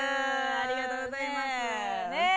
ありがとうございますねえ